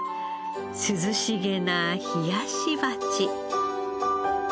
涼しげな冷やし鉢。